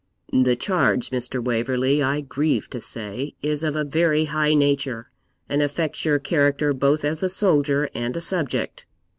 'The charge, Mr. Waverley, I grieve to say, is of a very high nature, and affects your character both as a soldier and a subject.